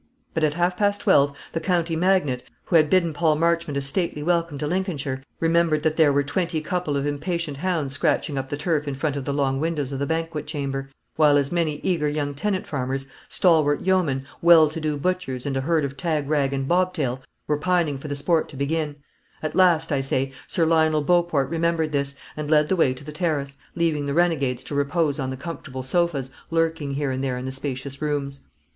But at half past twelve, the county magnate, who had bidden Paul Marchmont a stately welcome to Lincolnshire, remembered that there were twenty couple of impatient hounds scratching up the turf in front of the long windows of the banquet chamber, while as many eager young tenant farmers, stalwart yeomen, well to do butchers, and a herd of tag rag and bobtail, were pining for the sport to begin; at last, I say, Sir Lionel Boport remembered this, and led the way to the terrace, leaving the renegades to repose on the comfortable sofas lurking here and there in the spacious rooms.